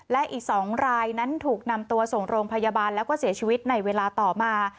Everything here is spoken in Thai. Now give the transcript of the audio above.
และอีก๒รายนั้นถูกนำตัวส่งโรงพยาบาลแล้วก็เสียชีวิตในเวลาต่อมา